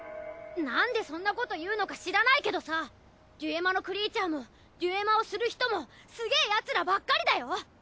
なんでそんなこと言うのか知らないけどさデュエマのクリーチャーもデュエマをする人もすげぇヤツらばっかりだよ！